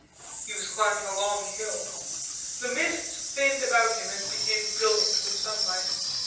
He was climbing a long hill. The mist thinned about him and became brilliant with sunlight.